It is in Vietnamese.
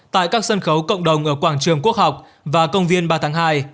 tại các sân khấu cộng đồng ở quảng trường quốc học và công viên ba tháng hai